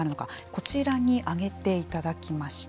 こちらに挙げていただきました。